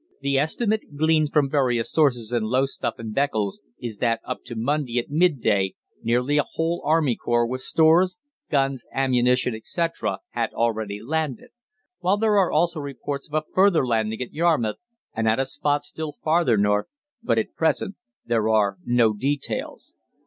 "The estimate, gleaned from various sources in Lowestoft and Beccles, is that up to Monday at midday nearly a whole Army Corps, with stores, guns, ammunition, etc., had already landed, while there are also reports of a further landing at Yarmouth, and at a spot still farther north, but at present there are no details.